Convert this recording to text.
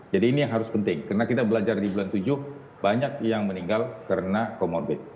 jadi ini yang harus penting karena kita belajar di bulan tujuh banyak yang meninggal karena komorbit